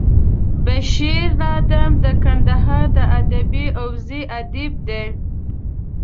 بشیر نادم د کندهار د ادبي حوزې ادیب دی.